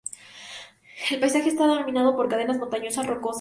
El paisaje está dominado por cadenas montañosas rocosas.